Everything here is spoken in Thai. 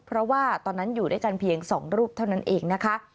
เพราะว่าตอนนั้นอยู่ด้วยกันเพียง๒รูปเท่านั้นเองนะคะ